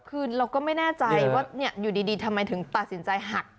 คือเราก็ไม่แน่ใจว่าอยู่ดีทำไมถึงตัดสินใจหัก